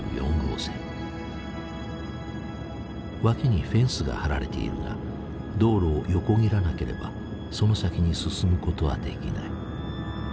脇にフェンスが張られているが道路を横切らなければその先に進むことはできない。